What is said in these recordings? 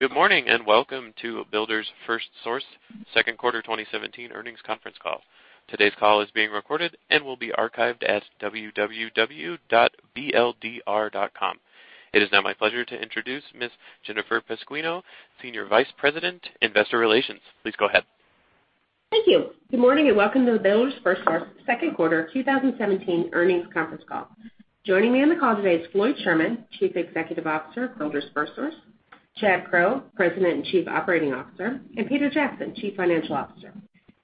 Good morning, welcome to Builders FirstSource Second Quarter 2017 Earnings Conference Call. Today's call is being recorded and will be archived at www.bldr.com. It is now my pleasure to introduce Ms. Jennifer Pasquino, Senior Vice President, Investor Relations. Please go ahead. Thank you. Good morning, welcome to the Builders FirstSource Second Quarter 2017 Earnings Conference Call. Joining me on the call today is Floyd Sherman, Chief Executive Officer of Builders FirstSource, Chad Crow, President and Chief Operating Officer, and Peter Jackson, Chief Financial Officer.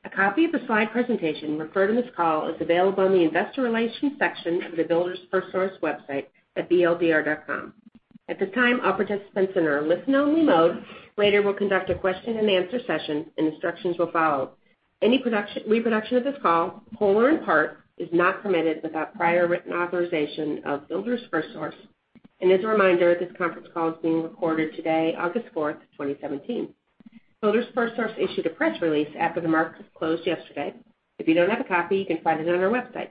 A copy of the slide presentation referred in this call is available on the investor relations section of the Builders FirstSource website at bldr.com. At this time, all participants are in a listen-only mode. Later, we'll conduct a question and answer session, instructions will follow. Any reproduction of this call, whole or in part, is not permitted without prior written authorization of Builders FirstSource. As a reminder, this conference call is being recorded today, August 4th, 2017. Builders FirstSource issued a press release after the markets closed yesterday. If you don't have a copy, you can find it on our website.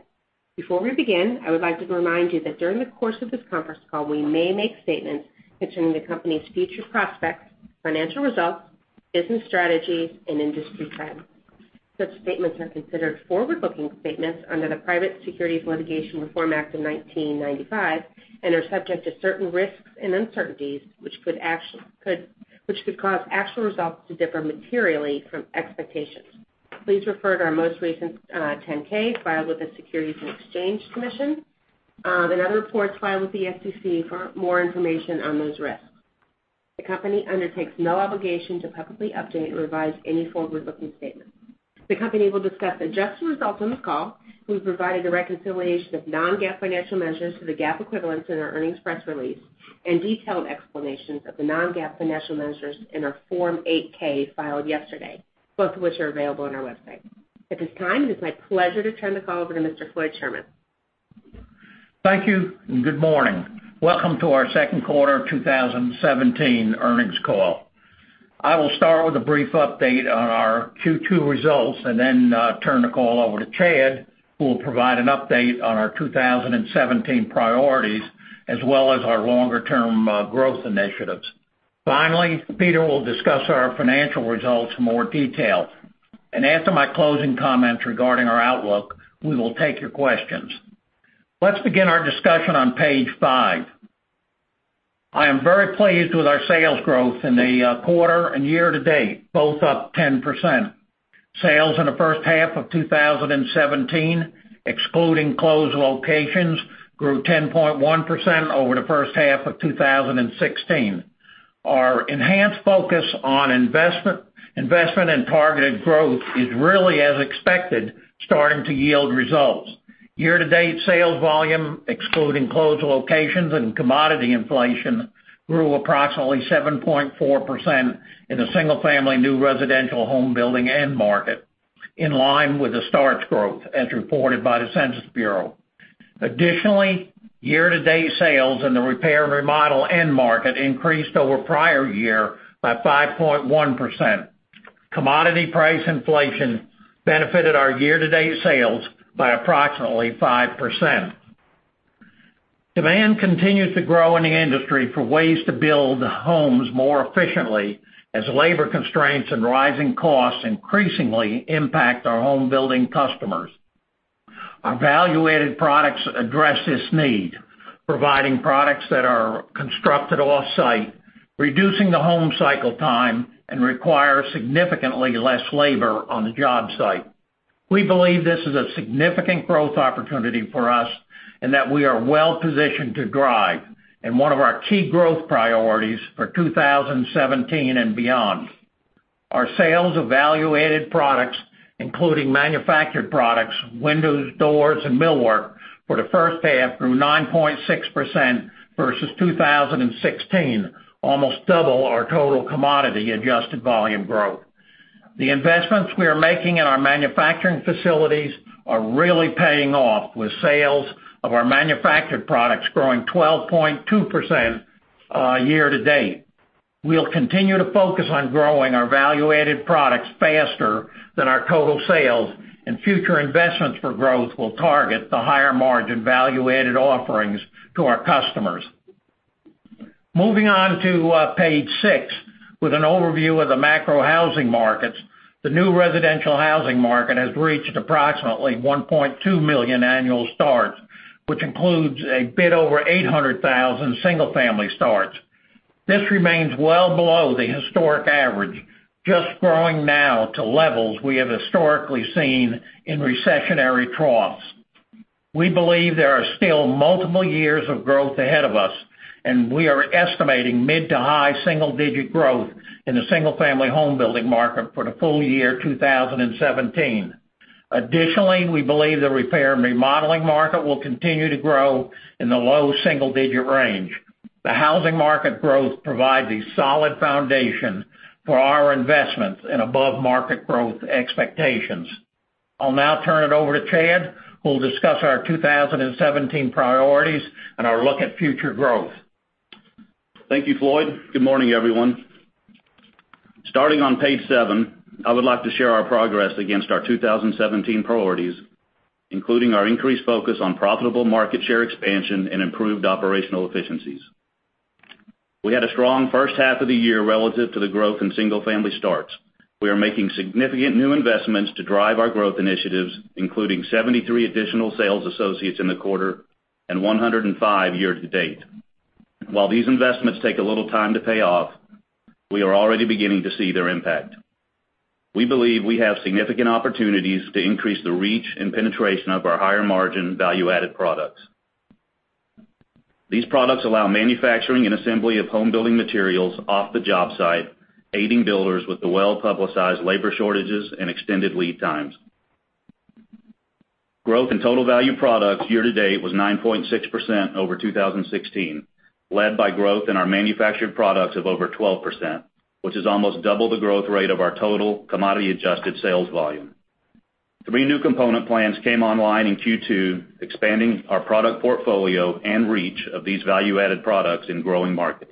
Before we begin, I would like to remind you that during the course of this conference call, we may make statements concerning the company's future prospects, financial results, business strategies, and industry trends. Such statements are considered forward-looking statements under the Private Securities Litigation Reform Act of 1995 and are subject to certain risks and uncertainties, which could cause actual results to differ materially from expectations. Please refer to our most recent 10-K filed with the Securities and Exchange Commission and other reports filed with the SEC for more information on those risks. The company undertakes no obligation to publicly update or revise any forward-looking statements. The company will discuss adjusted results on this call. We've provided a reconciliation of non-GAAP financial measures to the GAAP equivalents in our earnings press release and detailed explanations of the non-GAAP financial measures in our Form 8-K filed yesterday, both of which are available on our website. At this time, it is my pleasure to turn the call over to Mr. Floyd Sherman. Thank you, and good morning. Welcome to our second quarter of 2017 earnings call. I will start with a brief update on our Q2 results and then turn the call over to Chad, who will provide an update on our 2017 priorities, as well as our longer-term growth initiatives. Finally, Peter will discuss our financial results in more detail. After my closing comments regarding our outlook, we will take your questions. Let's begin our discussion on page five. I am very pleased with our sales growth in the quarter and year-to-date, both up 10%. Sales in the first half of 2017, excluding closed locations, grew 10.1% over the first half of 2016. Our enhanced focus on investment and targeted growth is really, as expected, starting to yield results. Year-to-date sales volume, excluding closed locations and commodity inflation, grew approximately 7.4% in the single-family new residential home building end market, in line with the starts growth as reported by the U.S. Census Bureau. Additionally, year-to-date sales in the repair and remodel end market increased over prior year by 5.1%. Commodity price inflation benefited our year-to-date sales by approximately 5%. Demand continues to grow in the industry for ways to build homes more efficiently as labor constraints and rising costs increasingly impact our home building customers. Our value-added products address this need, providing products that are constructed off-site, reducing the home cycle time, and require significantly less labor on the job site. We believe this is a significant growth opportunity for us and that we are well-positioned to drive, and one of our key growth priorities for 2017 and beyond. Our sales of value-added products, including manufactured products, windows, doors, and millwork, for the first half grew 9.6% versus 2016, almost double our total commodity adjusted volume growth. The investments we are making in our manufacturing facilities are really paying off, with sales of our manufactured products growing 12.2% year-to-date. We'll continue to focus on growing our value-added products faster than our total sales. Future investments for growth will target the higher-margin value-added offerings to our customers. Moving on to page six, with an overview of the macro housing markets. The new residential housing market has reached approximately 1.2 million annual starts, which includes a bit over 800,000 single-family starts. This remains well below the historic average, just growing now to levels we have historically seen in recessionary troughs. We believe there are still multiple years of growth ahead of us. We are estimating mid-to-high single-digit growth in the single-family home building market for the full year 2017. Additionally, we believe the repair and remodeling market will continue to grow in the low single-digit range. The housing market growth provides a solid foundation for our investments and above-market growth expectations. I'll now turn it over to Chad, who will discuss our 2017 priorities and our look at future growth. Thank you, Floyd. Good morning, everyone. Starting on page seven, I would like to share our progress against our 2017 priorities, including our increased focus on profitable market share expansion and improved operational efficiencies. We had a strong first half of the year relative to the growth in single-family starts. We are making significant new investments to drive our growth initiatives, including 73 additional sales associates in the quarter and 105 year-to-date. While these investments take a little time to pay off, we are already beginning to see their impact. We believe we have significant opportunities to increase the reach and penetration of our higher margin value-added products. These products allow manufacturing and assembly of home building materials off the job site, aiding builders with the well-publicized labor shortages and extended lead times. Growth in total value products year-to-date was 9.6% over 2016, led by growth in our manufactured products of over 12%, which is almost double the growth rate of our total commodity-adjusted sales volume. Three new component plans came online in Q2, expanding our product portfolio and reach of these value-added products in growing markets.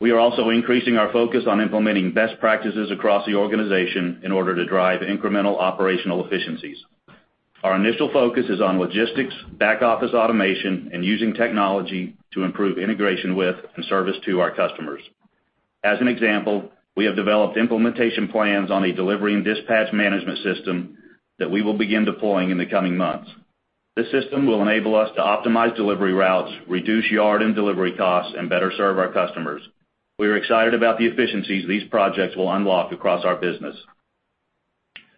We are also increasing our focus on implementing best practices across the organization in order to drive incremental operational efficiencies. Our initial focus is on logistics, back-office automation, and using technology to improve integration with and service to our customers. As an example, we have developed implementation plans on a delivery and dispatch management system that we will begin deploying in the coming months. This system will enable us to optimize delivery routes, reduce yard and delivery costs, and better serve our customers. We are excited about the efficiencies these projects will unlock across our business.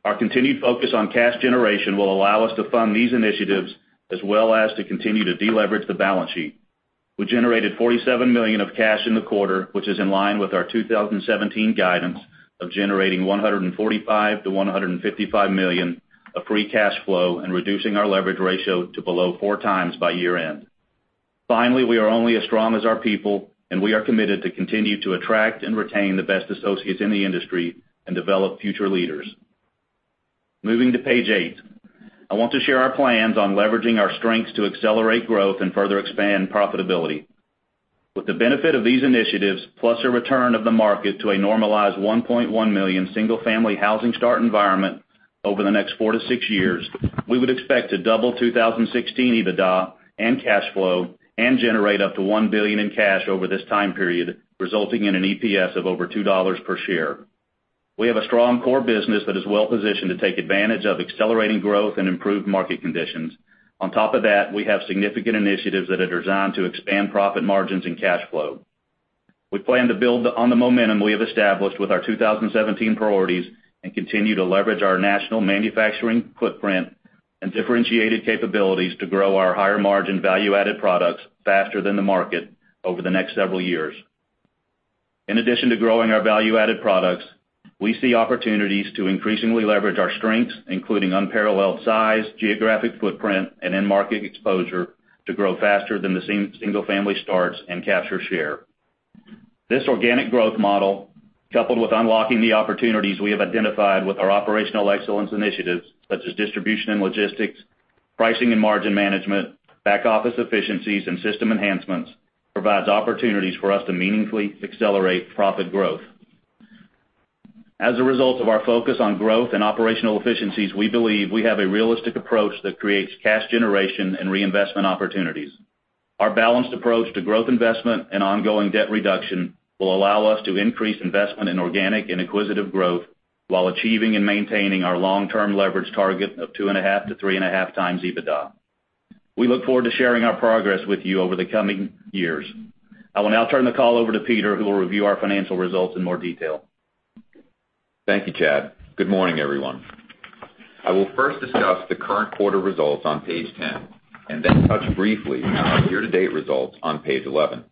Our continued focus on cash generation will allow us to fund these initiatives, as well as to continue to deleverage the balance sheet. We generated $47 million of cash in the quarter, which is in line with our 2017 guidance of generating $145 million-$155 million of free cash flow and reducing our leverage ratio to below four times by year-end. Finally, we are only as strong as our people, and we are committed to continue to attract and retain the best associates in the industry and develop future leaders. Moving to page eight. I want to share our plans on leveraging our strengths to accelerate growth and further expand profitability. With the benefit of these initiatives, plus a return of the market to a normalized 1.1 million single-family housing start environment over the next four to six years, we would expect to double 2016 EBITDA and cash flow and generate up to $1 billion in cash over this time period, resulting in an EPS of over $2 per share. We have a strong core business that is well-positioned to take advantage of accelerating growth and improved market conditions. We have significant initiatives that are designed to expand profit margins and cash flow. We plan to build on the momentum we have established with our 2017 priorities and continue to leverage our national manufacturing footprint and differentiated capabilities to grow our higher margin value-added products faster than the market over the next several years. In addition to growing our value-added products, we see opportunities to increasingly leverage our strengths, including unparalleled size, geographic footprint, and end market exposure to grow faster than the single-family starts and capture share. This organic growth model, coupled with unlocking the opportunities we have identified with our operational excellence initiatives, such as distribution and logistics, pricing and margin management, back-office efficiencies, and system enhancements, provides opportunities for us to meaningfully accelerate profit growth. As a result of our focus on growth and operational efficiencies, we believe we have a realistic approach that creates cash generation and reinvestment opportunities. Our balanced approach to growth investment and ongoing debt reduction will allow us to increase investment in organic and acquisitive growth while achieving and maintaining our long-term leverage target of 2.5 to 3.5 times EBITDA. We look forward to sharing our progress with you over the coming years. I will now turn the call over to Peter, who will review our financial results in more detail. Thank you, Chad. Good morning, everyone. I will first discuss the current quarter results on page 10 and then touch briefly on our year-to-date results on page 11.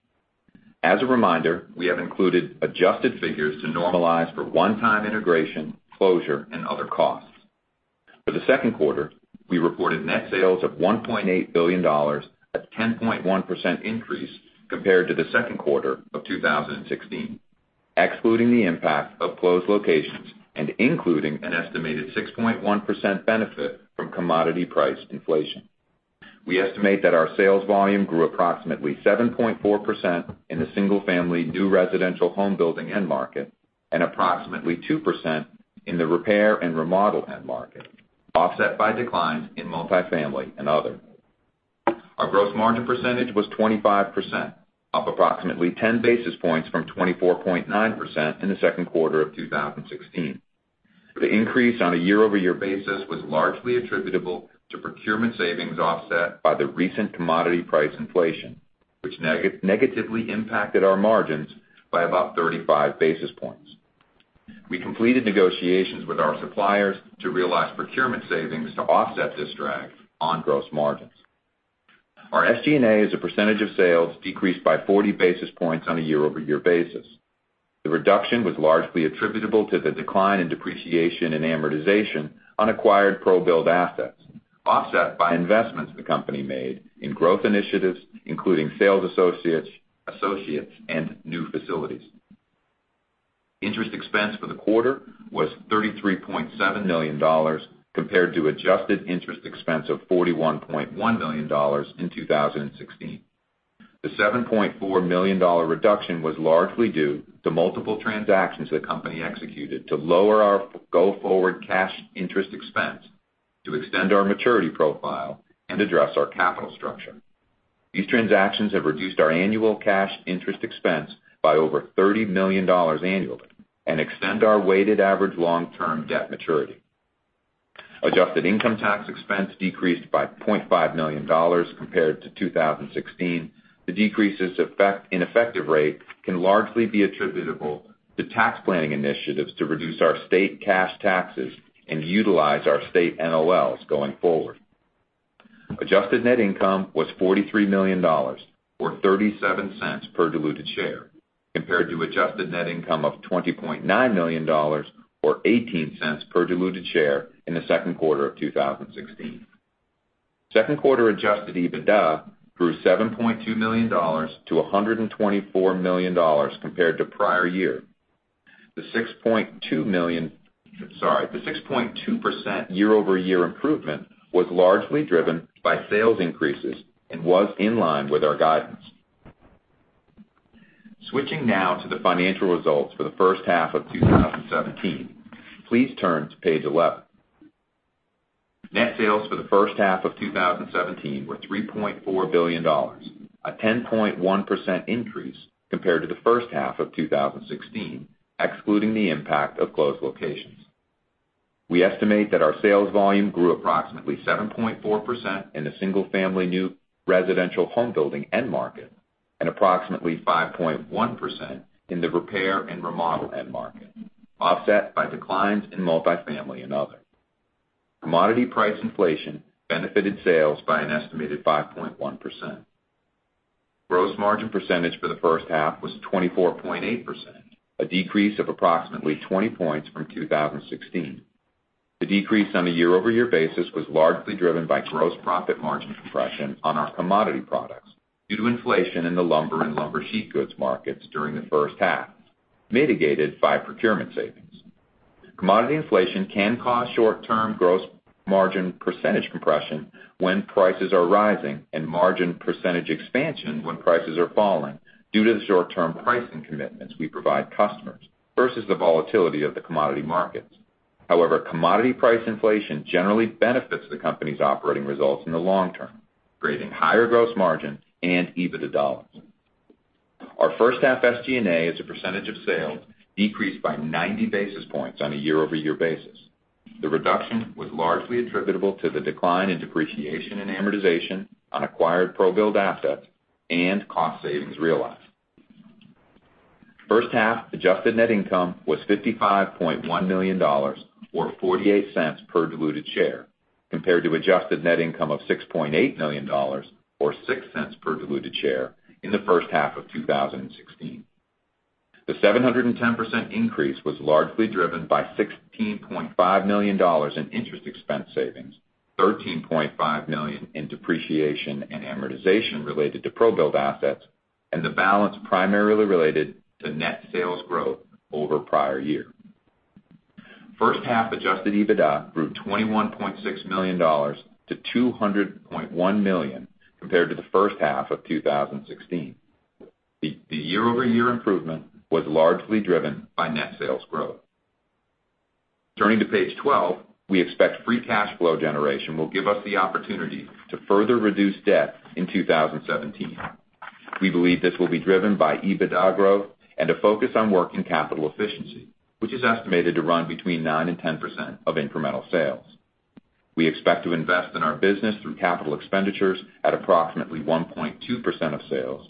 As a reminder, we have included adjusted figures to normalize for one-time integration, closure, and other costs. For the second quarter, we reported net sales of $1.8 billion, a 10.1% increase compared to the second quarter of 2016, excluding the impact of closed locations and including an estimated 6.1% benefit from commodity price inflation. We estimate that our sales volume grew approximately 7.4% in the single-family new residential home building end market and approximately 2% in the repair and remodel end market, offset by declines in multifamily and other. Our growth margin percentage was 25%, up approximately 10 basis points from 24.9% in the second quarter of 2016. The increase on a year-over-year basis was largely attributable to procurement savings offset by the recent commodity price inflation, which negatively impacted our margins by about 35 basis points. We completed negotiations with our suppliers to realize procurement savings to offset this drag on gross margins. Our SG&A as a percentage of sales decreased by 40 basis points on a year-over-year basis. The reduction was largely attributable to the decline in depreciation and amortization on acquired ProBuild assets, offset by investments the company made in growth initiatives, including sales associates, and new facilities. Interest expense for the quarter was $33.7 million compared to adjusted interest expense of $41.1 million in 2016. The $7.4 million reduction was largely due to multiple transactions the company executed to lower our go-forward cash interest expense, to extend our maturity profile, and address our capital structure. These transactions have reduced our annual cash interest expense by over $30 million annually and extend our weighted average long-term debt maturity. Adjusted income tax expense decreased by $0.5 million compared to 2016. The decreases in effective rate can largely be attributable to tax planning initiatives to reduce our state cash taxes and utilize our state NOLs going forward. Adjusted net income was $43 million, or $0.37 per diluted share, compared to adjusted net income of $20.9 million or $0.18 per diluted share in the second quarter of 2016. Second quarter adjusted EBITDA grew $7.2 million to $124 million compared to prior year. The 6.2% year-over-year improvement was largely driven by sales increases and was in line with our guidance. Switching now to the financial results for the first half of 2017. Please turn to page 11. Net sales for the first half of 2017 were $3.4 billion, a 10.1% increase compared to the first half of 2016, excluding the impact of closed locations. We estimate that our sales volume grew approximately 7.4% in the single-family new residential home building end market, and approximately 5.1% in the repair and remodel end market, offset by declines in multifamily and other. Commodity price inflation benefited sales by an estimated 5.1%. Gross margin percentage for the first half was 24.8%, a decrease of approximately 20 points from 2016. The decrease on a year-over-year basis was largely driven by gross profit margin compression on our commodity products due to inflation in the lumber and lumber sheet goods markets during the first half, mitigated by procurement savings. Commodity inflation can cause short-term gross margin percentage compression when prices are rising and margin percentage expansion when prices are falling due to the short-term pricing commitments we provide customers versus the volatility of the commodity markets. However, commodity price inflation generally benefits the company's operating results in the long term, creating higher gross margin and EBITDA dollars. Our first half SG&A as a percentage of sales decreased by 90 basis points on a year-over-year basis. The reduction was largely attributable to the decline in depreciation and amortization on acquired ProBuild assets and cost savings realized. First half adjusted net income was $55.1 million, or $0.48 per diluted share, compared to adjusted net income of $6.8 million or $0.06 per diluted share in the first half of 2016. The 710% increase was largely driven by $16.5 million in interest expense savings, $13.5 million in depreciation and amortization related to ProBuild assets, and the balance primarily related to net sales growth over prior year. First half adjusted EBITDA grew $21.6 million to $200.1 million compared to the first half of 2016. The year-over-year improvement was largely driven by net sales growth. Turning to page 12, we expect free cash flow generation will give us the opportunity to further reduce debt in 2017. We believe this will be driven by EBITDA growth and a focus on working capital efficiency, which is estimated to run between 9% and 10% of incremental sales. We expect to invest in our business through capital expenditures at approximately 1.2% of sales.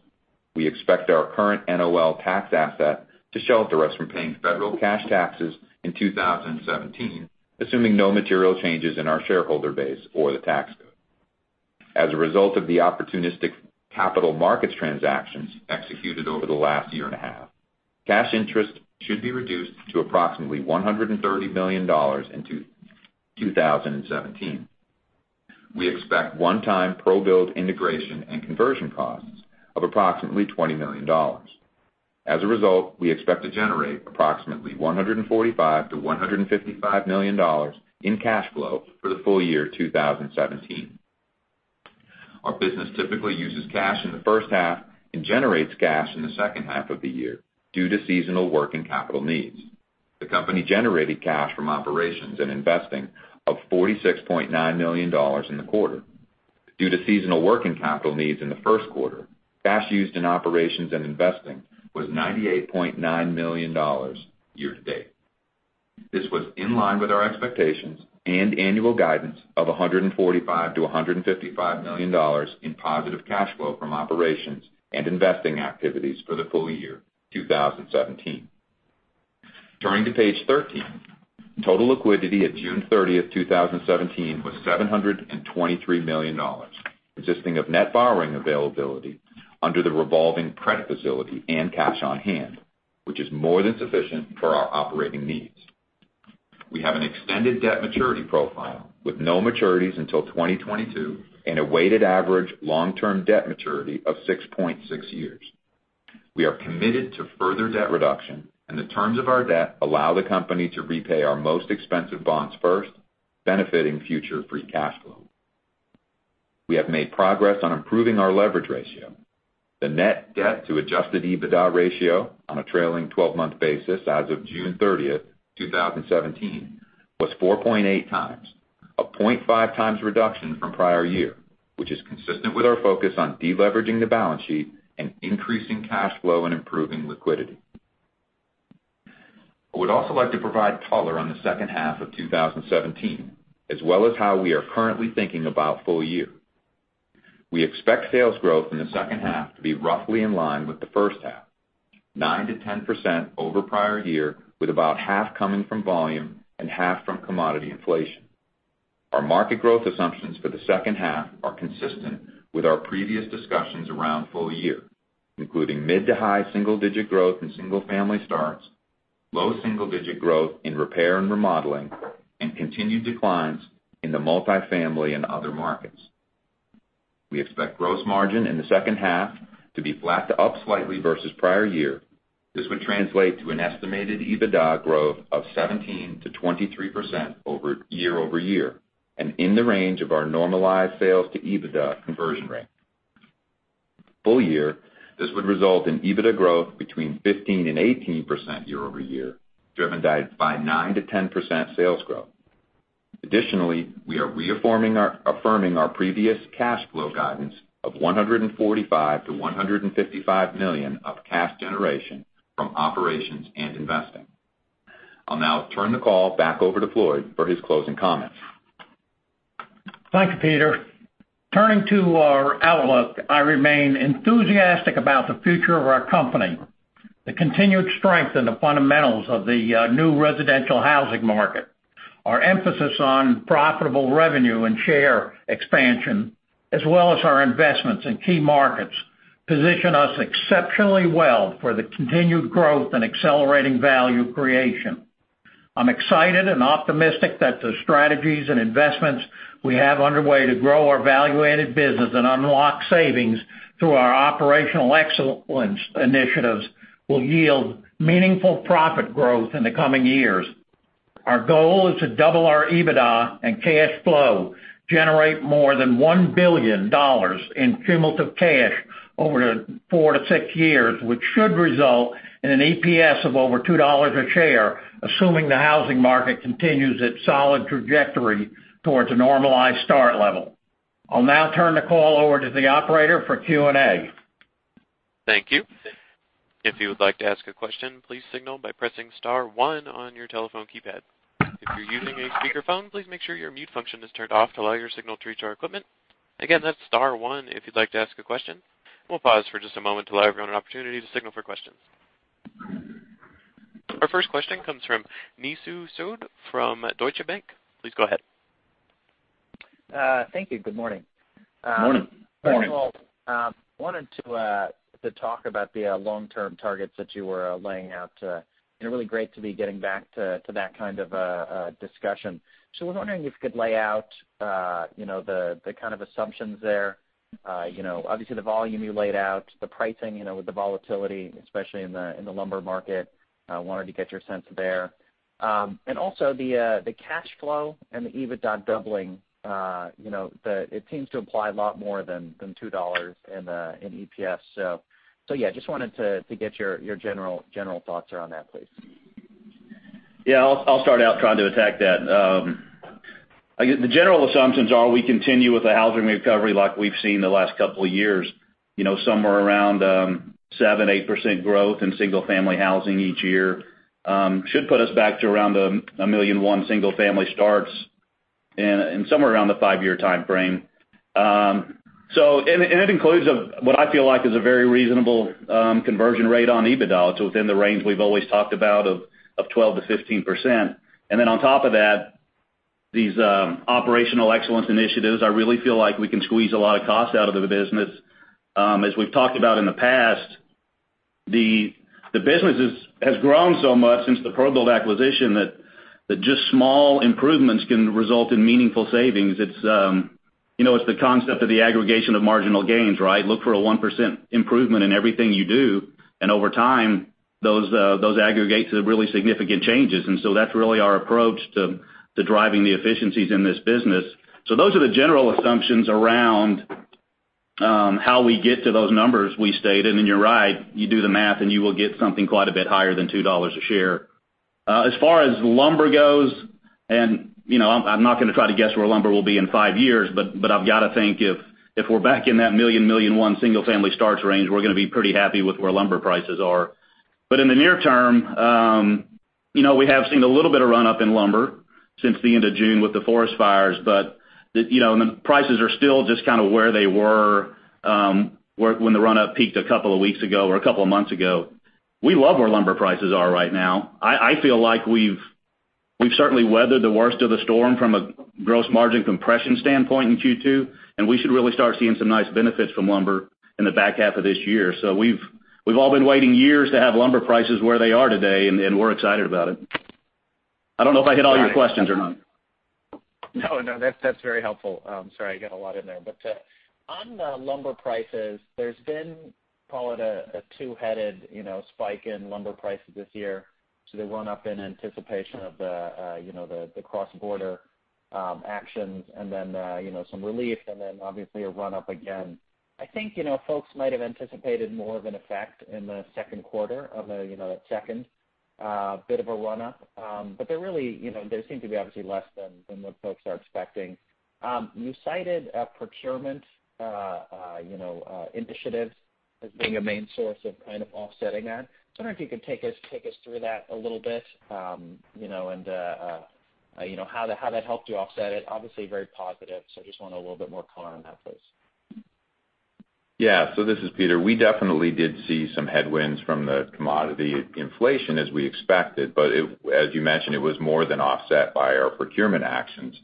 We expect our current NOL tax asset to shelter us from paying federal cash taxes in 2017, assuming no material changes in our shareholder base or the tax code. As a result of the opportunistic capital markets transactions executed over the last year and a half, cash interest should be reduced to approximately $130 million in 2017. We expect one-time ProBuild integration and conversion costs of approximately $20 million. As a result, we expect to generate approximately $145 million to $155 million in cash flow for the full year 2017. Our business typically uses cash in the first half and generates cash in the second half of the year due to seasonal working capital needs. The company generated cash from operations and investing of $46.9 million in the quarter. Due to seasonal working capital needs in the first quarter, cash used in operations and investing was $98.9 million year to date. This was in line with our expectations and annual guidance of $145 million to $155 million in positive cash flow from operations and investing activities for the full year 2017. Turning to page 13. Total liquidity at June 30th, 2017 was $723 million, consisting of net borrowing availability under the revolving credit facility and cash on hand, which is more than sufficient for our operating needs. We have an extended debt maturity profile with no maturities until 2022 and a weighted average long-term debt maturity of 6.6 years. We are committed to further debt reduction, and the terms of our debt allow the company to repay our most expensive bonds first, benefiting future free cash flow. We have made progress on improving our leverage ratio. The net debt to adjusted EBITDA ratio on a trailing 12-month basis as of June 30th, 2017, was 4.8 times, a 0.5 times reduction from prior year, which is consistent with our focus on de-leveraging the balance sheet and increasing cash flow and improving liquidity. I would also like to provide color on the second half of 2017, as well as how we are currently thinking about full year. We expect sales growth in the second half to be roughly in line with the first half, 9% to 10% over prior year, with about half coming from volume and half from commodity inflation. Our market growth assumptions for the second half are consistent with our previous discussions around full year, including mid to high single-digit growth in single-family starts, low single-digit growth in repair and remodeling, and continued declines in the multifamily and other markets. We expect gross margin in the second half to be flat to up slightly versus prior year. This would translate to an estimated EBITDA growth of 17%-23% year-over-year, and in the range of our normalized sales to EBITDA conversion rate. Full year, this would result in EBITDA growth between 15% and 18% year-over-year, driven by 9%-10% sales growth. Additionally, we are reaffirming our previous cash flow guidance of $145 million to $155 million of cash generation from operations and investing. I'll now turn the call back over to Floyd for his closing comments. Thank you, Peter. Turning to our outlook, I remain enthusiastic about the future of our company. The continued strength in the fundamentals of the new residential housing market, our emphasis on profitable revenue and share expansion, as well as our investments in key markets, position us exceptionally well for the continued growth and accelerating value creation. I'm excited and optimistic that the strategies and investments we have underway to grow our value-added business and unlock savings through our operational excellence initiatives will yield meaningful profit growth in the coming years. Our goal is to double our EBITDA and cash flow, generate more than $1 billion in cumulative cash over four to six years, which should result in an EPS of over $2 a share, assuming the housing market continues its solid trajectory towards a normalized start level. I'll now turn the call over to the operator for Q&A. Thank you. If you would like to ask a question, please signal by pressing *1 on your telephone keypad. If you're using a speakerphone, please make sure your mute function is turned off to allow your signal to reach our equipment. Again, that's *1 if you'd like to ask a question. We'll pause for just a moment to allow everyone an opportunity to signal for questions. Our first question comes from Nishu Sood from Deutsche Bank. Please go ahead. Thank you. Good morning. Morning. Morning. First of all, wanted to talk about the long-term targets that you were laying out. Really great to be getting back to that kind of a discussion. I was wondering if you could lay out the kind of assumptions there. Obviously, the volume you laid out, the pricing with the volatility, especially in the lumber market, wanted to get your sense there. Also the cash flow and the EBITDA doubling. It seems to imply a lot more than $2 in EPS. Yeah, just wanted to get your general thoughts around that, please. Yeah, I'll start out trying to attack that. The general assumptions are we continue with the housing recovery like we've seen the last couple of years. Somewhere around 7%-8% growth in single-family housing each year should put us back to around 1,000,001 single-family starts and somewhere around the 5-year timeframe. It includes what I feel like is a very reasonable conversion rate on EBITDA. It's within the range we've always talked about of 12%-15%. On top of that, these operational excellence initiatives, I really feel like we can squeeze a lot of cost out of the business. As we've talked about in the past, the business has grown so much since the ProBuild acquisition that just small improvements can result in meaningful savings. It's the concept of the aggregation of marginal gains, right? Look for a 1% improvement in everything you do, over time, those aggregates to really significant changes. That's really our approach to driving the efficiencies in this business. Those are the general assumptions around how we get to those numbers we stated. You're right, you do the math and you will get something quite a bit higher than $2 a share. As far as lumber goes, I'm not going to try to guess where lumber will be in 5 years, but I've got to think if we're back in that million, 1,000,001 single-family starts range, we're going to be pretty happy with where lumber prices are. In the near term, we have seen a little bit of run-up in lumber since the end of June with the forest fires, the prices are still just kind of where they were when the run-up peaked a couple of weeks ago or a couple of months ago. We love where lumber prices are right now. I feel like we've certainly weathered the worst of the storm from a gross margin compression standpoint in Q2, we should really start seeing some nice benefits from lumber in the back half of this year. We've all been waiting years to have lumber prices where they are today, and we're excited about it. I don't know if I hit all your questions or not. No, that's very helpful. I'm sorry, I got a lot in there. On the lumber prices, there's been, call it a two-headed spike in lumber prices this year. They run up in anticipation of the cross-border actions, then some relief, then obviously a run-up again. I think folks might have anticipated more of an effect in the second quarter of that second bit of a run-up. There seemed to be obviously less than what folks are expecting. You cited procurement initiatives as being a main source of kind of offsetting that. I was wondering if you could take us through that a little bit, and how that helped you offset it. Obviously very positive, just want a little bit more color on that, please. Yeah. This is Peter. We definitely did see some headwinds from the commodity inflation as we expected, but as you mentioned, it was more than offset by our procurement actions.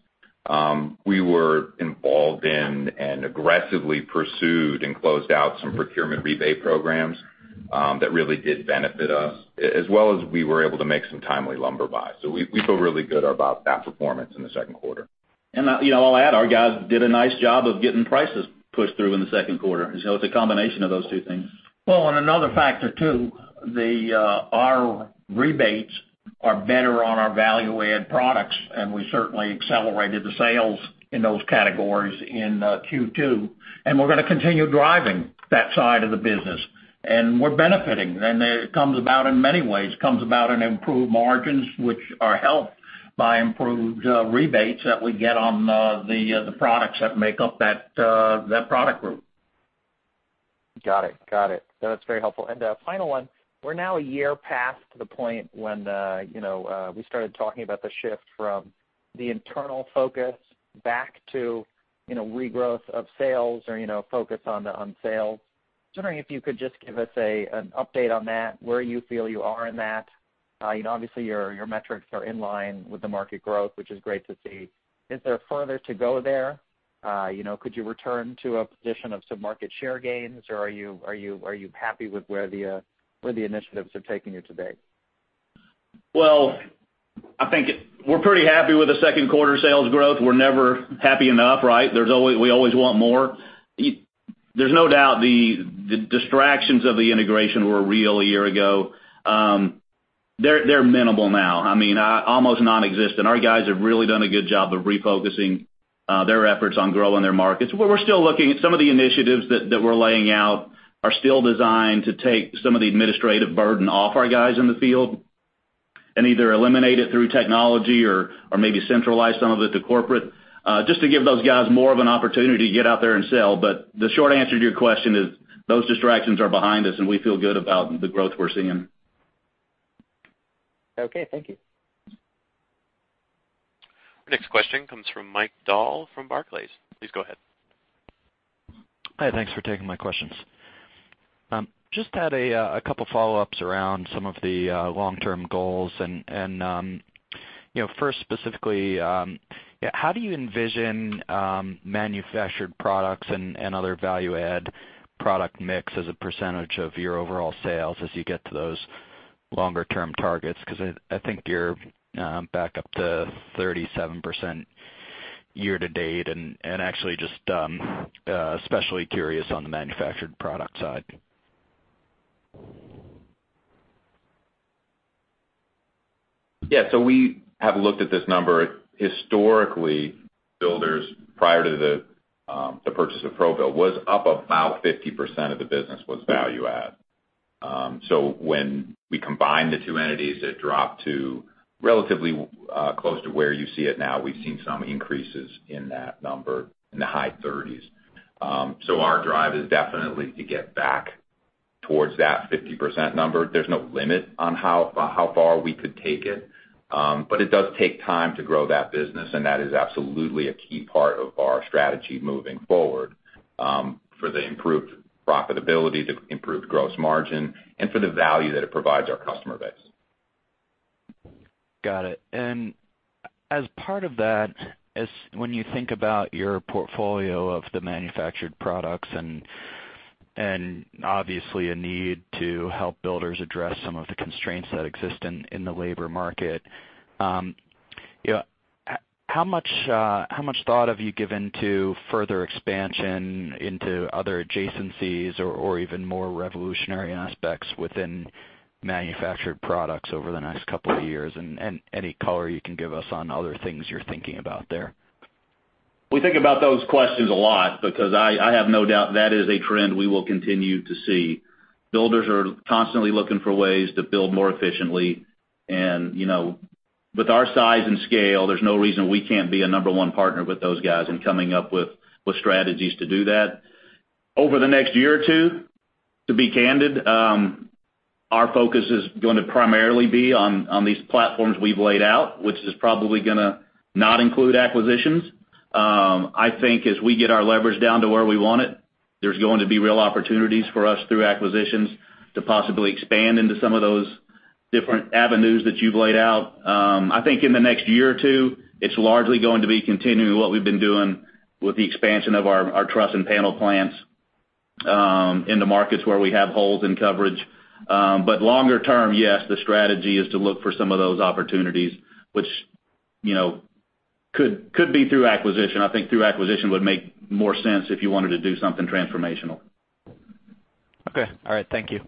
We were involved in and aggressively pursued and closed out some procurement rebate programs that really did benefit us, as well as we were able to make some timely lumber buys. We feel really good about that performance in the second quarter. I'll add, our guys did a nice job of getting prices pushed through in the second quarter. It's a combination of those two things. Another factor, too, our rebates are better on our value-add products, and we certainly accelerated the sales in those categories in Q2, and we're going to continue driving that side of the business. We're benefiting, it comes about in many ways. Comes about in improved margins, which are helped by improved rebates that we get on the products that make up that product group. Got it. That's very helpful. A final one, we're now a year past the point when we started talking about the shift from the internal focus back to regrowth of sales or focus on sales. Just wondering if you could just give us an update on that, where you feel you are in that. Obviously, your metrics are in line with the market growth, which is great to see. Is there further to go there? Could you return to a position of some market share gains, or are you happy with where the initiatives have taken you to date? Well, I think we're pretty happy with the second quarter sales growth. We're never happy enough, right? We always want more. There's no doubt the distractions of the integration were real a year ago. They're minimal now. Almost nonexistent. Our guys have really done a good job of refocusing their efforts on growing their markets. We're still looking at some of the initiatives that we're laying out are still designed to take some of the administrative burden off our guys in the field and either eliminate it through technology or maybe centralize some of it to corporate, just to give those guys more of an opportunity to get out there and sell. The short answer to your question is those distractions are behind us, and we feel good about the growth we're seeing. Okay. Thank you. Next question comes from Michael Dahl from Barclays. Please go ahead. Hi, thanks for taking my questions. Just had a couple follow-ups around some of the long-term goals. First, specifically, how do you envision manufactured products and other value-add product mix as a percentage of your overall sales as you get to those longer-term targets? I think you're back up to 37% year to date, and actually just especially curious on the manufactured product side. Yeah. We have looked at this number historically, Builders prior to the purchase of ProBuild was up about 50% of the business was value add. When we combined the two entities, it dropped to relatively close to where you see it now. We've seen some increases in that number in the high 30s. Our drive is definitely to get back towards that 50% number. There's no limit on how far we could take it. It does take time to grow that business, and that is absolutely a key part of our strategy moving forward, for the improved profitability, the improved gross margin, and for the value that it provides our customer base. Got it. As part of that, when you think about your portfolio of the manufactured products and obviously a need to help builders address some of the constraints that exist in the labor market, how much thought have you given to further expansion into other adjacencies or even more revolutionary aspects within manufactured products over the next couple of years? Any color you can give us on other things you're thinking about there? We think about those questions a lot because I have no doubt that is a trend we will continue to see. Builders are constantly looking for ways to build more efficiently. With our size and scale, there's no reason we can't be a number one partner with those guys in coming up with strategies to do that. Over the next year or two, to be candid, our focus is going to primarily be on these platforms we've laid out, which is probably going to not include acquisitions. I think as we get our leverage down to where we want it, there's going to be real opportunities for us through acquisitions to possibly expand into some of those different avenues that you've laid out. I think in the next year or two, it's largely going to be continuing what we've been doing with the expansion of our truss and panel plants in the markets where we have holes in coverage. Longer term, yes, the strategy is to look for some of those opportunities, which could be through acquisition. I think through acquisition would make more sense if you wanted to do something transformational. Okay. All right. Thank you.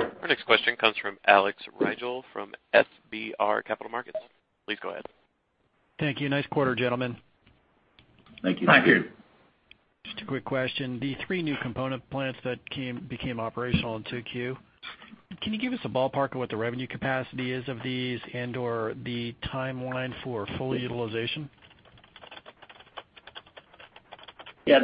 Our next question comes from Alex Rygiel from SBR Capital Markets. Please go ahead. Thank you. Nice quarter, gentlemen. Thank you. Thank you. Just a quick question. The three new component plants that became operational in 2Q, can you give us a ballpark of what the revenue capacity is of these or the timeline for full utilization? Yeah.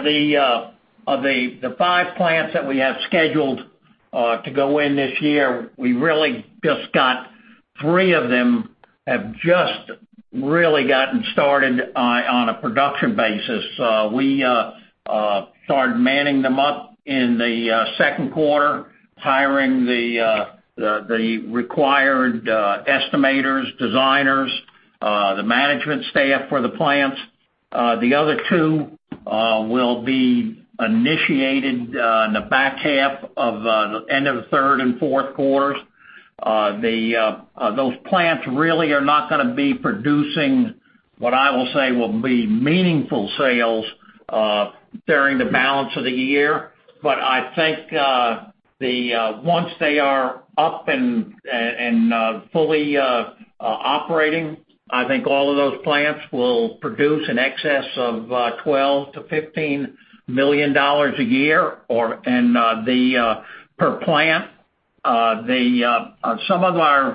Of the five plants that we have scheduled to go in this year, three of them have just really gotten started on a production basis. We started manning them up in the second quarter, hiring the required estimators, designers, the management staff for the plants. The other two will be initiated in the back half of the end of the third and fourth quarters. Those plants really are not going to be producing what I will say will be meaningful sales during the balance of the year. I think once they are up and fully operating, I think all of those plants will produce in excess of $12 million-$15 million a year per plant. Some of the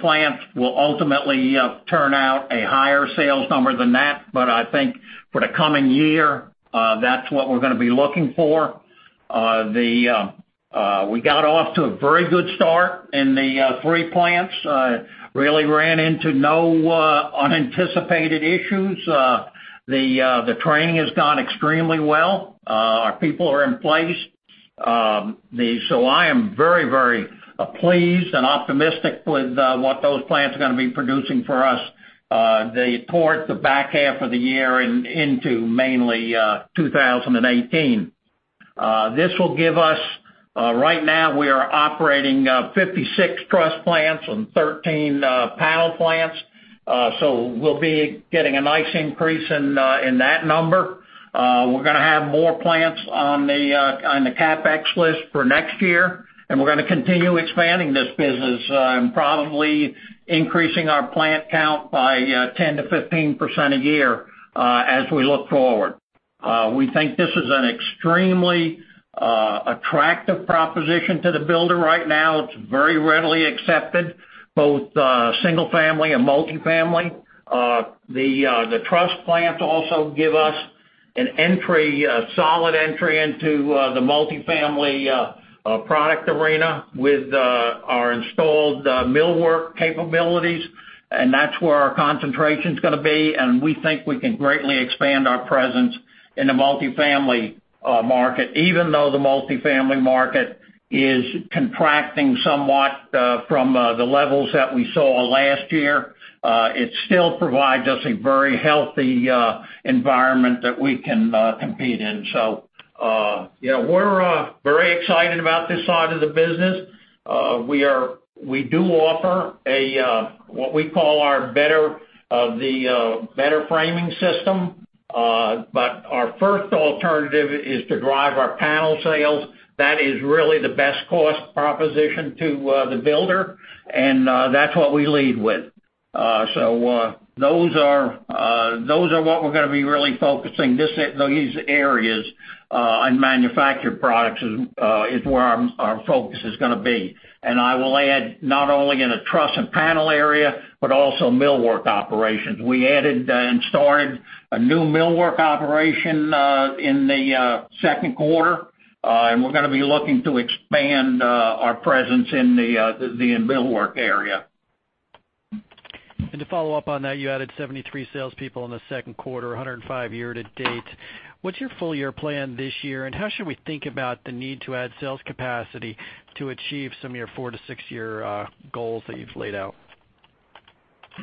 plants will ultimately turn out a higher sales number than that, but I think for the coming year, that's what we're going to be looking for. We got off to a very good start in the three plants. Really ran into no unanticipated issues. The training has gone extremely well. Our people are in place. I am very, very pleased and optimistic with what those plants are going to be producing for us toward the back half of the year and into mainly 2018. Right now, we are operating 56 truss plants and 13 panel plants. We'll be getting a nice increase in that number. We're going to have more plants on the CapEx list for next year, and we're going to continue expanding this business and probably increasing our plant count by 10%-15% a year as we look forward. We think this is an extremely attractive proposition to the builder right now. It's very readily accepted, both single family and multifamily. The truss plants also give us a solid entry into the multifamily product arena with our installed millwork capabilities, and that's where our concentration's going to be, and we think we can greatly expand our presence in the multifamily market. Even though the multifamily market is contracting somewhat from the levels that we saw last year, it still provides us a very healthy environment that we can compete in. We're very excited about this side of the business. We do offer what we call our Better Framing System. Our first alternative is to drive our panel sales. That is really the best cost proposition to the builder, and that's what we lead with. Those are what we're going to be really focusing these areas on manufactured products is where our focus is going to be. I will add, not only in a truss and panel area, but also millwork operations. We added and started a new millwork operation in the second quarter, and we're going to be looking to expand our presence in the millwork area. To follow up on that, you added 73 salespeople in the second quarter, 105 year to date. What's your full year plan this year, and how should we think about the need to add sales capacity to achieve some of your four to six year goals that you've laid out?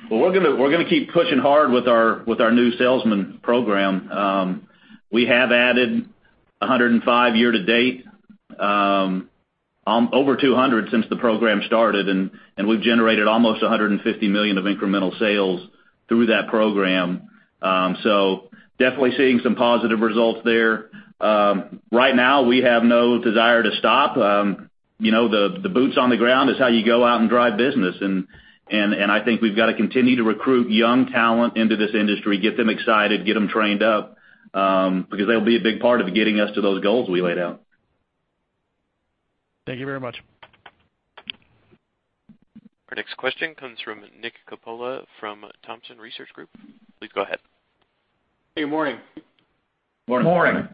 Well, we're going to keep pushing hard with our new salesman program. We have added 105 year to date, over 200 since the program started, and we've generated almost $150 million of incremental sales through that program. Definitely seeing some positive results there. Right now, we have no desire to stop. The boots on the ground is how you go out and drive business, and I think we've got to continue to recruit young talent into this industry, get them excited, get them trained up, because they'll be a big part of getting us to those goals we laid out. Thank you very much. Our next question comes from Nicholas Coppola from Thompson Research Group. Please go ahead. Hey, good morning. Morning. Morning.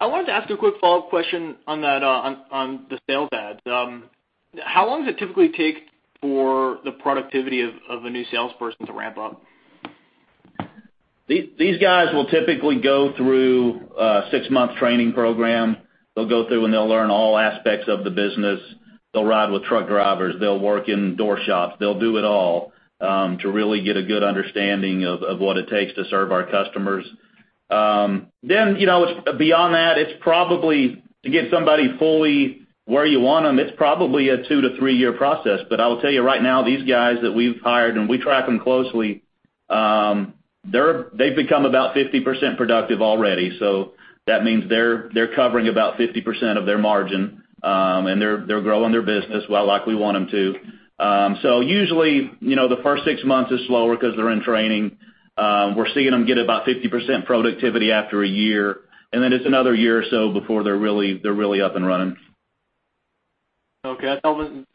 I wanted to ask a quick follow-up question on the sales ads. How long does it typically take for the productivity of a new salesperson to ramp up? These guys will typically go through a six-month training program. They'll go through and they'll learn all aspects of the business. They'll ride with truck drivers. They'll work in door shops. They'll do it all, to really get a good understanding of what it takes to serve our customers. Beyond that, to get somebody fully where you want them, it's probably a two to three-year process. I will tell you right now, these guys that we've hired, and we track them closely, they've become about 50% productive already. That means they're covering about 50% of their margin. They're growing their business well, like we want them to. Usually, the first six months is slower because they're in training. We're seeing them get about 50% productivity after a year, and then it's another year or so before they're really up and running. Okay. That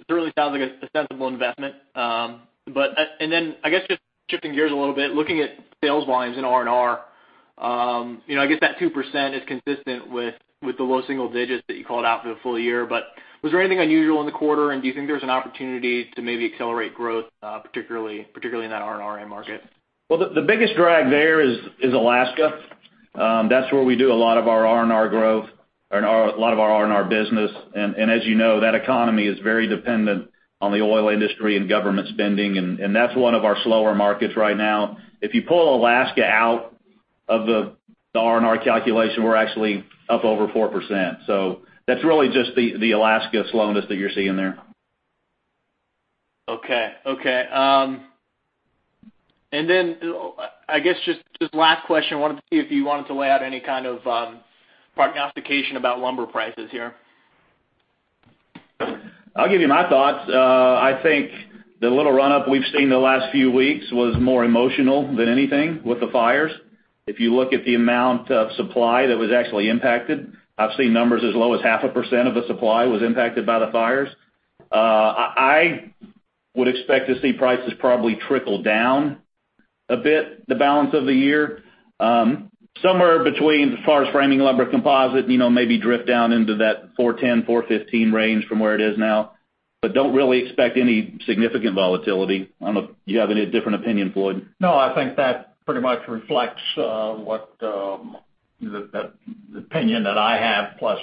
really sounds like a sensible investment. Then, I guess just shifting gears a little bit, looking at sales volumes in R&R. I guess that 2% is consistent with the low single digits that you called out for the full year. Was there anything unusual in the quarter, and do you think there's an opportunity to maybe accelerate growth, particularly in that R&R end market? The biggest drag there is Alaska. That's where we do a lot of our R&R growth and a lot of our R&R business. As you know, that economy is very dependent on the oil industry and government spending, and that's one of our slower markets right now. If you pull Alaska out of the R&R calculation, we're actually up over 4%. That's really just the Alaska slowness that you're seeing there. Okay. I guess just last question. I wanted to see if you wanted to lay out any kind of prognostication about lumber prices here. I'll give you my thoughts. I think the little run-up we've seen the last few weeks was more emotional than anything, with the fires. If you look at the amount of supply that was actually impacted, I've seen numbers as low as half a percent of the supply was impacted by the fires. I would expect to see prices probably trickle down a bit the balance of the year. Somewhere between, as far as framing lumber composite, maybe drift down into that $410, $415 range from where it is now. Don't really expect any significant volatility. I don't know if you have any different opinion, Floyd. No, I think that pretty much reflects the opinion that I have, plus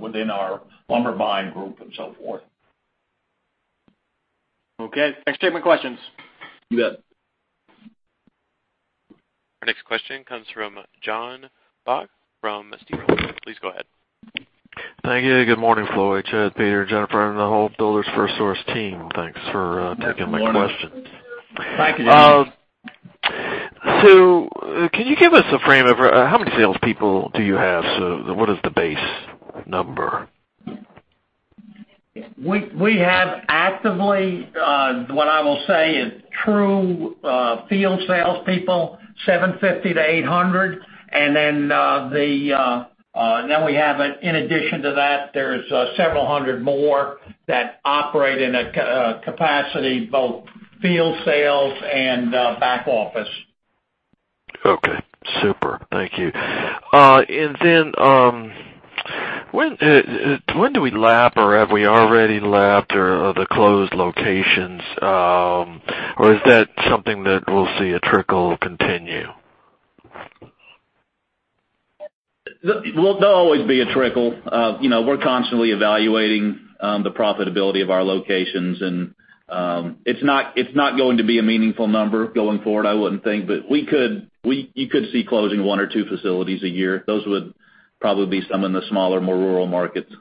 within our lumber buying group and so forth. Okay. Thanks for taking my questions. You bet. Our next question comes from John Baugh from Stephens. Please go ahead. Thank you. Good morning, Floyd, Chad, Peter, Jennifer, and the whole Builders FirstSource team. Thanks for taking my questions. Good morning. Thank you, John. Can you give us a frame of how many salespeople do you have? What is the base number? We have actively, what I will say is true field salespeople, 750-800. We have, in addition to that, there's several hundred more that operate in a capacity, both field sales and back office. Okay, super. Thank you. When do we lap or have we already lapped the closed locations? Is that something that we'll see a trickle continue? There'll always be a trickle. We're constantly evaluating the profitability of our locations, and it's not going to be a meaningful number going forward, I wouldn't think. You could see closing one or two facilities a year. Those would probably be some in the smaller, more rural markets.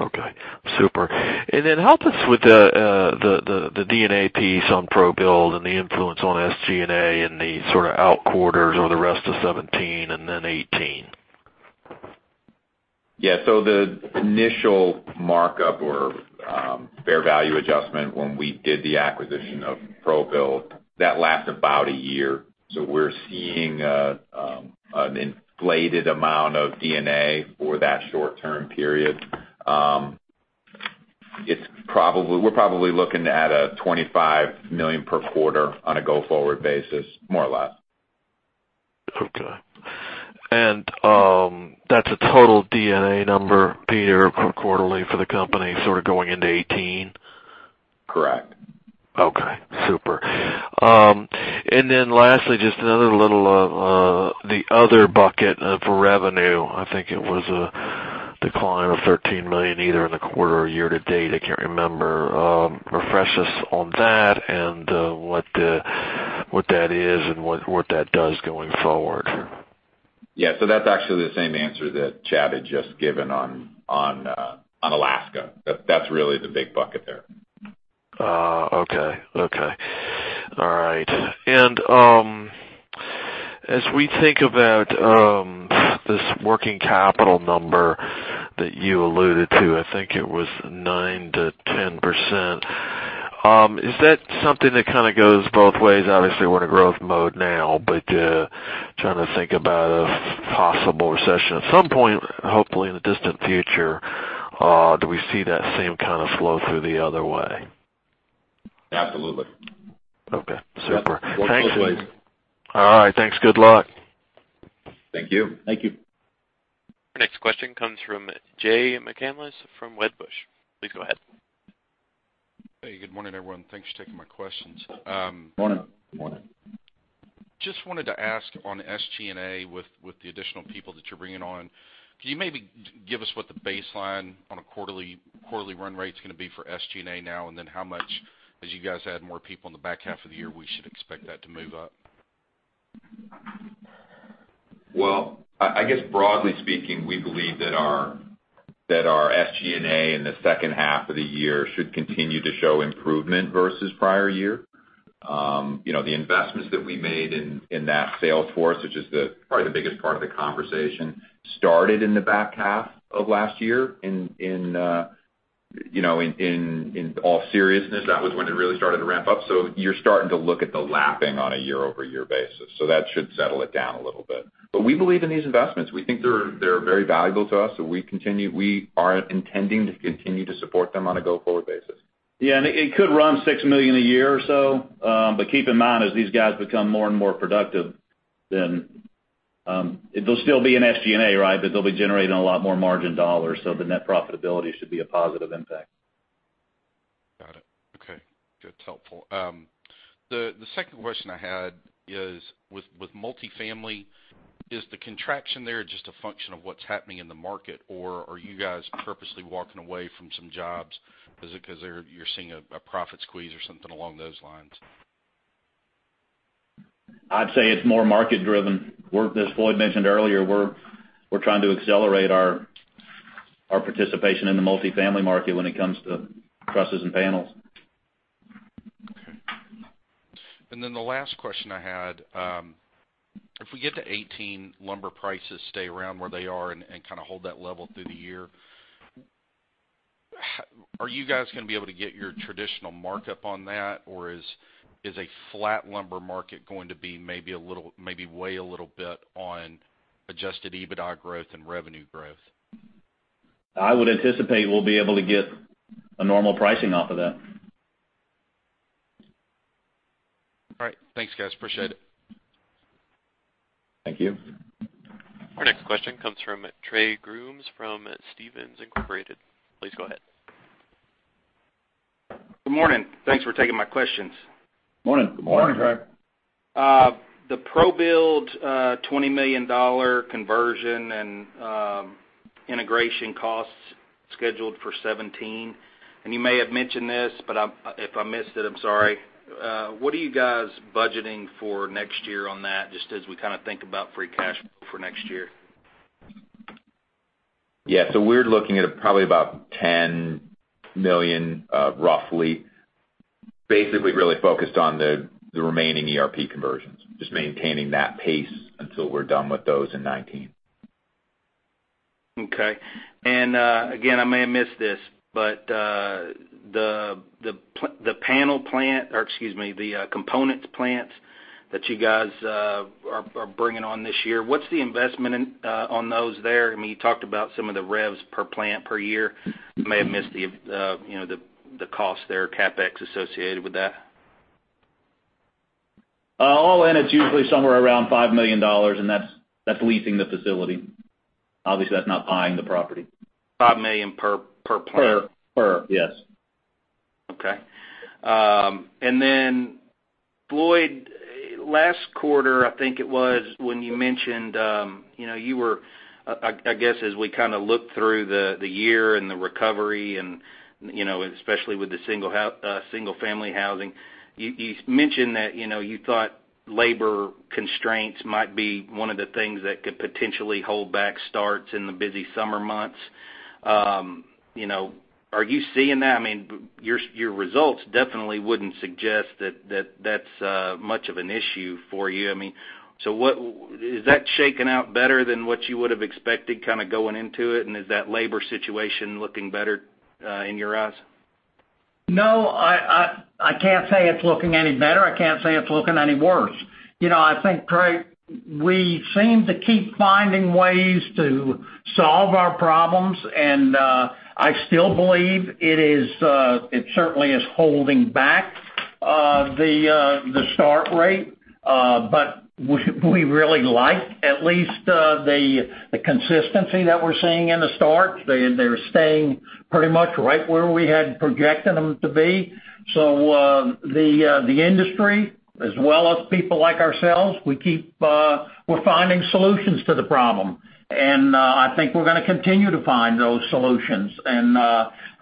Okay, super. Help us with the D&A piece on ProBuild and the influence on SG&A and the sort of out quarters over the rest of 2017 and 2018. The initial markup or fair value adjustment when we did the acquisition of ProBuild, that lasted about a year. We're seeing an inflated amount of D&A for that short-term period. We're probably looking at a $25 million per quarter on a go-forward basis, more or less. Okay. That's a total D&A number, Peter, quarterly for the company sort of going into 2018? Correct. Okay, super. Lastly, just another little of the other bucket of revenue. I think it was a decline of $13 million either in the quarter or year to date, I can't remember. Refresh us on that and what that is and what that does going forward. Yeah. That's actually the same answer that Chad had just given on Alaska. That's really the big bucket there. Okay. All right. As we think about this working capital number that you alluded to, I think it was 9%-10%. Is that something that kind of goes both ways? Obviously, we're in a growth mode now, trying to think about a possible recession at some point, hopefully in the distant future. Do we see that same kind of flow through the other way? Absolutely. Okay, super. Yes. Works both ways. All right, thanks. Good luck. Thank you. Thank you. Our next question comes from Jay McCanless from Wedbush. Please go ahead. Hey, good morning, everyone. Thanks for taking my questions. Morning. Morning. Just wanted to ask on SG&A with the additional people that you're bringing on, can you maybe give us what the baseline on a quarterly run rate's going to be for SG&A now and then how much, as you guys add more people in the back half of the year, we should expect that to move up? Well, I guess broadly speaking, we believe that our SG&A in the second half of the year should continue to show improvement versus prior year. The investments that we made in that sales force, which is probably the biggest part of the conversation, started in the back half of last year. In all seriousness, that was when it really started to ramp up, you're starting to look at the lapping on a year-over-year basis. That should settle it down a little bit. We believe in these investments. We think they're very valuable to us, so we are intending to continue to support them on a go-forward basis. Yeah, it could run $6 million a year or so. Keep in mind, as these guys become more and more productive, they'll still be in SG&A, right? They'll be generating a lot more margin dollars, so the net profitability should be a positive impact. Got it. Okay. Good. Helpful. The second question I had is with multi-family, is the contraction there just a function of what's happening in the market, or are you guys purposely walking away from some jobs? Is it because you're seeing a profit squeeze or something along those lines? I'd say it's more market driven, where as Floyd mentioned earlier, we're trying to accelerate our participation in the multi-family market when it comes to trusses and panels. Okay. The last question I had, if we get to 2018, lumber prices stay around where they are and kind of hold that level through the year, are you guys going to be able to get your traditional markup on that? Or is a flat lumber market going to maybe weigh a little bit on adjusted EBITDA growth and revenue growth? I would anticipate we'll be able to get a normal pricing off of that. All right. Thanks, guys. Appreciate it. Thank you. Our next question comes from Trey Grooms from Stephens Incorporated. Please go ahead. Good morning. Thanks for taking my questions. Morning. Good morning, Trey. The ProBuild $20 million conversion and integration costs scheduled for 2017, and you may have mentioned this, but if I missed it, I'm sorry. What are you guys budgeting for next year on that, just as we kind of think about free cash flow for next year? Yeah. We're looking at probably about $10 million, roughly. Basically, really focused on the remaining ERP conversions, just maintaining that pace until we're done with those in 2019. Okay. Again, I may have missed this, but the panel plant or, excuse me, the components plants that you guys are bringing on this year, what's the investment on those there? You talked about some of the revs per plant per year. I may have missed the cost there, CapEx associated with that. All in, it's usually somewhere around $5 million, and that's leasing the facility. Obviously, that's not buying the property. $5 million per plant. Per. Yes. Okay. Floyd, last quarter, I think it was, when you mentioned you were, I guess as we kind of look through the year and the recovery and especially with the single-family housing, you mentioned that you thought labor constraints might be one of the things that could potentially hold back starts in the busy summer months. Are you seeing that? Your results definitely wouldn't suggest that's much of an issue for you. Is that shaking out better than what you would have expected going into it, and is that labor situation looking better in your eyes? No, I can't say it's looking any better. I can't say it's looking any worse. I think, Trey, we seem to keep finding ways to solve our problems, and I still believe it certainly is holding back the start rate. We really like, at least the consistency that we're seeing in the starts. They're staying pretty much right where we had projected them to be. The industry as well as people like ourselves, we're finding solutions to the problem. I think we're going to continue to find those solutions.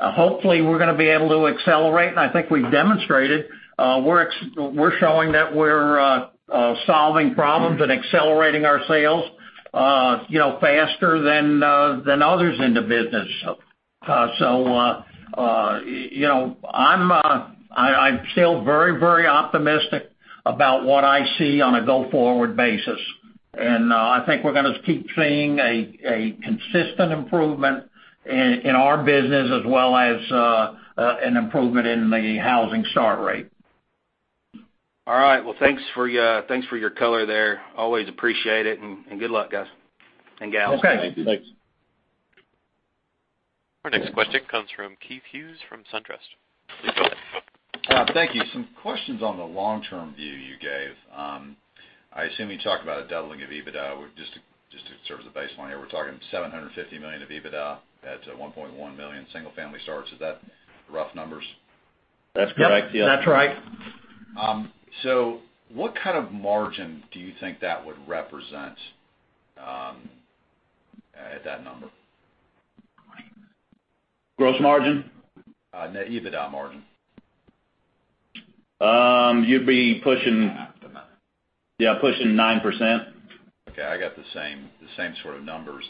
Hopefully, we're going to be able to accelerate, and I think we've demonstrated, we're showing that we're solving problems and accelerating our sales faster than others in the business. I'm still very optimistic about what I see on a go-forward basis. I think we're going to keep seeing a consistent improvement in our business as well as an improvement in the housing start rate. All right. Well, thanks for your color there. Always appreciate it, good luck guys and gals. Okay. Thanks. Our next question comes from Keith Hughes from SunTrust. Please go ahead. Thank you. Some questions on the long-term view you gave. I assume you talked about a doubling of EBITDA. Just to serve as a baseline here, we're talking $750 million of EBITDA at 1.1 million single-family starts. Is that the rough numbers? That's correct. Yep, that's right. What kind of margin do you think that would represent at that number? Gross margin? Net EBITDA margin. You'd be pushing- Yeah, after that yeah, pushing 9%. Okay, I got the same sort of numbers.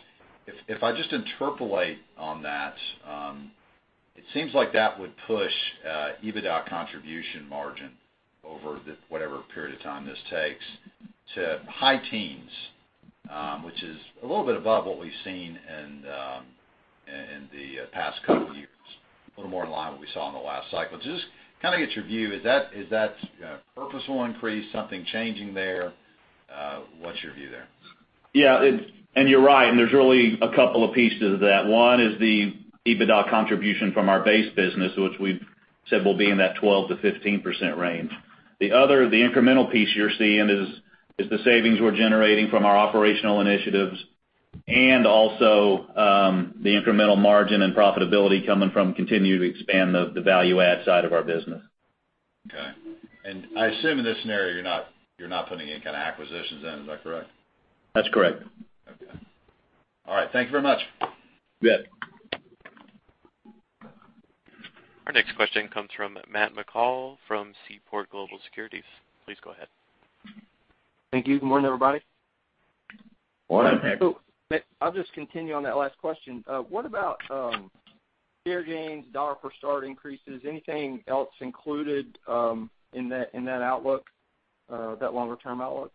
If I just interpolate on that, it seems like that would push EBITDA contribution margin over whatever period of time this takes to high teens, which is a little bit above what we've seen in the past couple years. A little more in line with what we saw in the last cycle. To just get your view, is that purposeful increase, something changing there? What's your view there? Yeah, you're right. There's really a couple of pieces to that. One is the EBITDA contribution from our base business, which we've said will be in that 12%-15% range. The other, the incremental piece you're seeing is the savings we're generating from our operational initiatives and also the incremental margin and profitability coming from continuing to expand the value add side of our business. Okay. I assume in this scenario, you're not putting any kind of acquisitions in. Is that correct? That's correct. Okay. All right. Thank you very much. You bet. Our next question comes from Matt McCall from Seaport Global Securities. Please go ahead. Thank you. Good morning, everybody. Morning, Matt. I'll just continue on that last question. What about share gains, $ per start increases, anything else included in that outlook, that longer term outlook?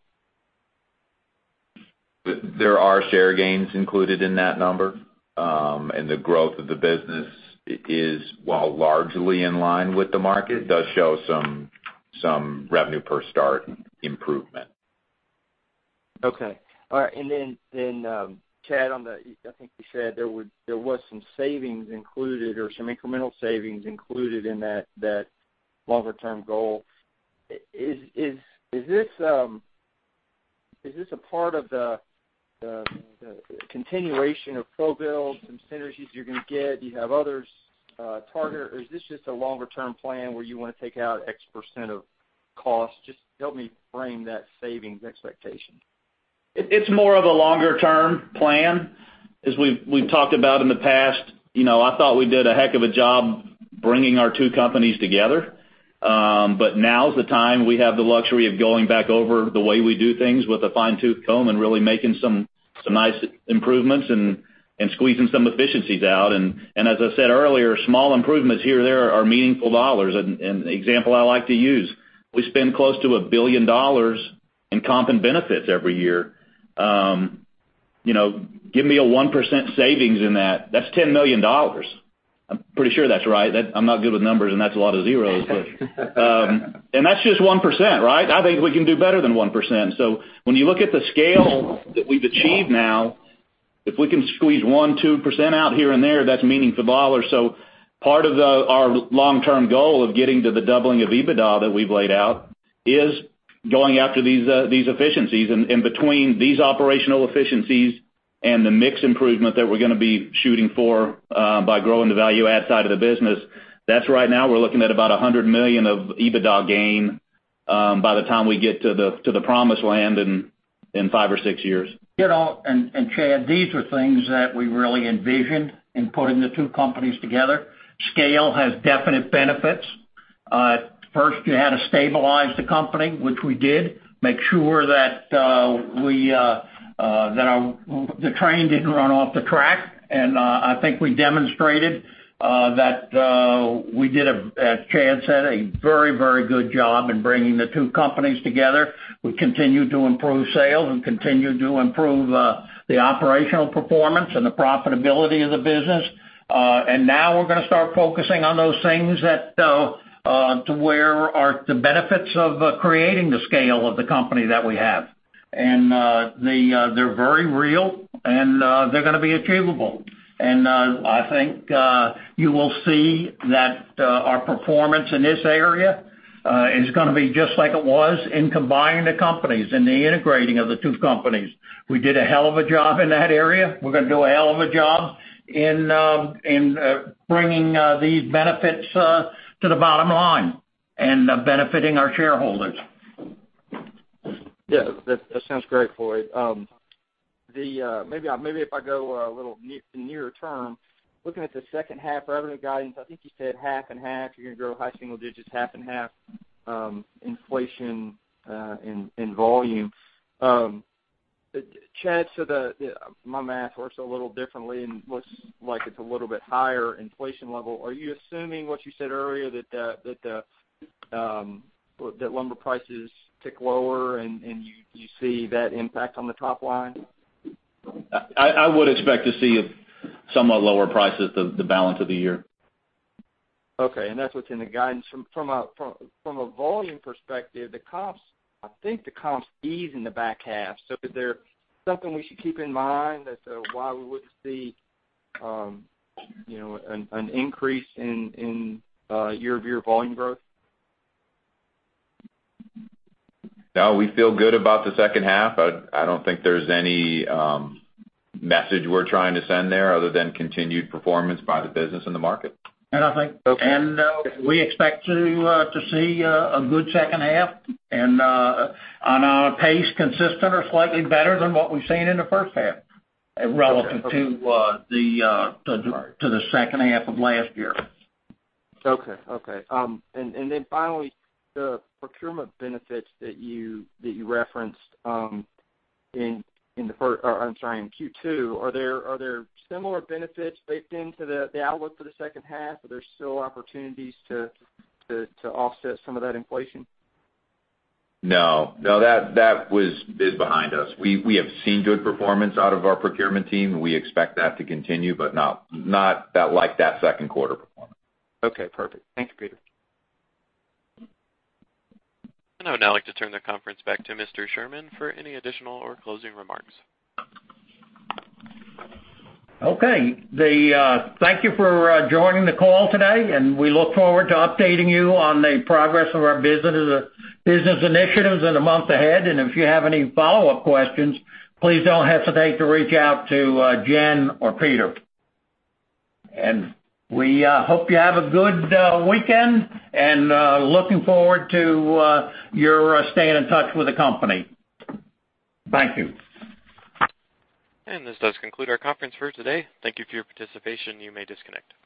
There are share gains included in that number. The growth of the business is, while largely in line with the market, does show some revenue per start improvement. Okay. All right, Chad, I think you said there was some savings included or some incremental savings included in that longer-term goal. Is this a part of the continuation of ProBuild, some synergies you're going to get? Do you have others targeted, or is this just a longer-term plan where you want to take out X% of cost? Just help me frame that savings expectation. It's more of a longer-term plan. As we've talked about in the past, I thought we did a heck of a job bringing our two companies together. Now is the time we have the luxury of going back over the way we do things with a fine-tooth comb and really making some nice improvements and squeezing some efficiencies out. As I said earlier, small improvements here and there are meaningful dollars. An example I like to use, we spend close to $1 billion in comp and benefits every year. Give me a 1% savings in that's $10 million. I'm pretty sure that's right. I'm not good with numbers, and that's a lot of zeros. That's just 1%, right? I think we can do better than 1%. When you look at the scale that we've achieved now, if we can squeeze 1%, 2% out here and there, that's meaningful dollars. Part of our long-term goal of getting to the doubling of EBITDA that we've laid out is going after these efficiencies. Between these operational efficiencies and the mix improvement that we're going to be shooting for by growing the value add side of the business, that's right now we're looking at about $100 million of EBITDA gain by the time we get to the promised land in five or six years. Chad, these are things that we really envisioned in putting the two companies together. Scale has definite benefits. First, you had to stabilize the company, which we did, make sure that the train didn't run off the track, and I think we demonstrated that we did, as Chad said, a very good job in bringing the two companies together. We continue to improve sales and continue to improve the operational performance and the profitability of the business. Now we're going to start focusing on those things to where are the benefits of creating the scale of the company that we have. They're very real, and they're going to be achievable. I think you will see that our performance in this area is going to be just like it was in combining the companies, in the integrating of the two companies. We did a hell of a job in that area. We're going to do a hell of a job in bringing these benefits to the bottom line and benefiting our shareholders. That sounds great, Floyd. Maybe if I go a little nearer term, looking at the second half revenue guidance, I think you said half and half, you're going to grow high single digits half and half, inflation and volume. Chad, my math works a little differently, looks like it's a little bit higher inflation level. Are you assuming what you said earlier that lumber prices tick lower, and you see that impact on the top line? I would expect to see somewhat lower prices the balance of the year. That's what's in the guidance. From a volume perspective, I think the comps ease in the back half. Is there something we should keep in mind as to why we wouldn't see an increase in year-over-year volume growth? No, we feel good about the second half. I don't think there's any message we're trying to send there other than continued performance by the business and the market. I think- Okay We expect to see a good second half and on a pace consistent or slightly better than what we've seen in the first half relevant to the second half of last year. Okay. Finally, the procurement benefits that you referenced in Q2, are there similar benefits baked into the outlook for the second half? Are there still opportunities to offset some of that inflation? No. That is behind us. We have seen good performance out of our procurement team. We expect that to continue, but not like that second quarter performance. Okay, perfect. Thank you, Peter. I would now like to turn the conference back to Mr. Sherman for any additional or closing remarks. Okay. Thank you for joining the call today. We look forward to updating you on the progress of our business initiatives in the month ahead. If you have any follow-up questions, please don't hesitate to reach out to Jen or Peter. We hope you have a good weekend and looking forward to your staying in touch with the company. Thank you. This does conclude our conference for today. Thank you for your participation. You may disconnect.